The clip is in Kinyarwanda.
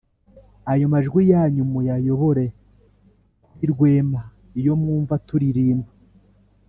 ayo majwi yanyu muyayobore kuri rwema iyo mwumva tulirimba,